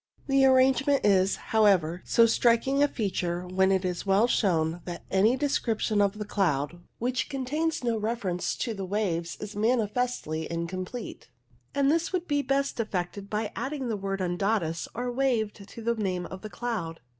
The arrangement is, however, so striking a feature when it is well shown that any description of the cloud which contains no reference to the waves is manifestly incomplete, and this would be best effected by adding the word undatus or waved to the name of the cloud.